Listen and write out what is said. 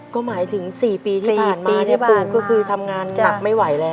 ก็หมายถึง๔ปีที่ผ่านมาเนี่ยปูก็คือทำงานหนักไม่ไหวแล้ว